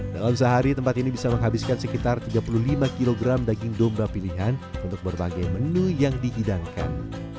dalam sehari tempat ini bisa menghabiskan sekitar tiga puluh lima kg daging domba pilihan untuk berbagai menu yang dihidangkan